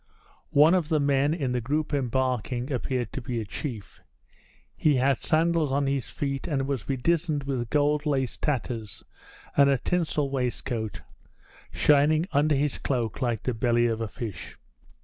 One of the men in the group embarking appeared to be a chief. He had sandals on his feet, and was bedizened with gold lace tatters and a tinsel waistcoat, shining under his cloak like the belly of a fish.